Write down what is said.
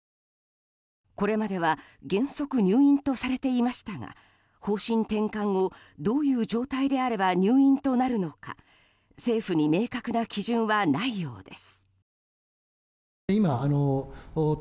これまでは原則入院とされていましたが方針転換後どういう状態であれば入院となるのか政府に明確な基準はないようです。